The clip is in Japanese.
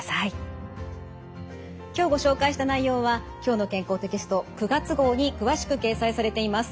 今日ご紹介した内容は「きょうの健康」テキスト９月号に詳しく掲載されています。